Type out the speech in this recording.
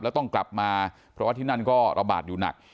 แล้วต้องกลับมาเพราะว่าที่นั่นก็ระบาดอยู่หนัก